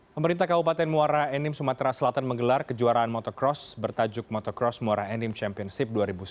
pemerintah kabupaten muara enim sumatera selatan menggelar kejuaraan motocross bertajuk motocross muara enim championship dua ribu sembilan belas